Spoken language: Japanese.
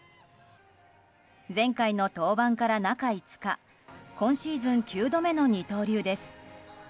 前回の登板から中５日今シーズン９度目の二刀流です。